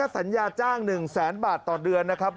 สัญญาจ้าง๑แสนบาทต่อเดือนนะครับ